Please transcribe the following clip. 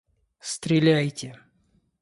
Стреляйте!